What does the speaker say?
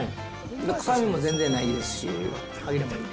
臭みも全然ないですし、歯切れもいい。